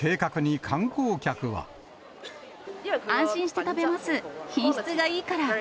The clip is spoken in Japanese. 安心して食べます。